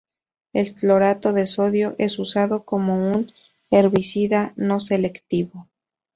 El clorato de sodio es usado como un herbicida no selectivo.